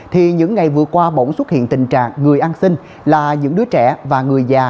thì những ngày vừa qua bỗng xuất hiện tình trạng người ăn xin là những đứa trẻ và người già